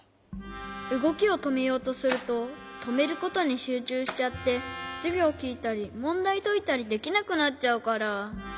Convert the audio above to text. うごきをとめようとするととめることにしゅうちゅうしちゃってじゅぎょうきいたりもんだいといたりできなくなっちゃうから。